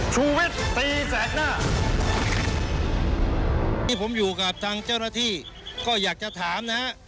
ชูวิทย์ตีแสกหน้าที่ผมอยู่กับทางเจ้าหน้าที่ก็อยากจะถามนะฮะ